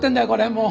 もう！